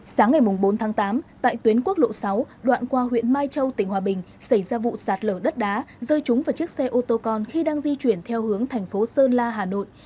sáng ngày bốn tháng tám tại tuyến quốc lộ sáu đoạn qua huyện mai châu tỉnh hòa bình xảy ra vụ sạt lở đất đá rơi trúng vào chiếc xe ô tô con khi đang di chuyển theo hướng thành phố sơn la hà nội